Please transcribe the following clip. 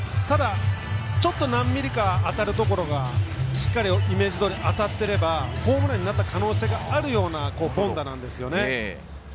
ちょっと何ミリか当たるところがしっかりイメージどおり当たっていればホームランになった可能性があるような凡打ですよね。